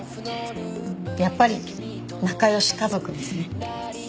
やっぱり仲良し家族ですね。